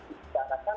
di semua kesempatan